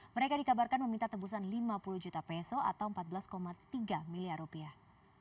mereka dikabarkan meminta tebusan lima puluh juta peso atau empat belas tiga miliar rupiah